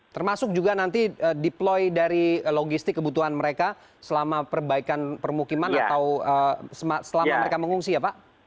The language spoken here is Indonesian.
termasuk juga nanti deploy dari logistik kebutuhan mereka selama perbaikan permukiman atau selama mereka mengungsi ya pak